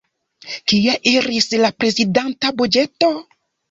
Kie iris la prezidanta buĝeto?